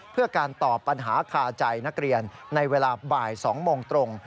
เพื่อการตอบปัญหาคาใจนักเรียนในเวลาบ่าย๒โมงตรง